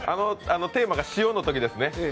テーマが塩のときですね。